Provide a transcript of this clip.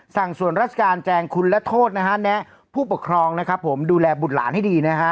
สั่งส่วนราชการแจงคุณและโทษแนะผู้ปกครองดูแลบุตรหลานให้ดี